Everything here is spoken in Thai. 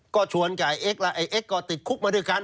ก็ชวนกับเอ็กซแล้วไอ้เอ็กซก็ติดคุกมาด้วยกัน